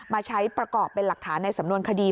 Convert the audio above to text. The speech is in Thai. มาใช้ประกอบเป็นหลักฐานในสำนวนคดี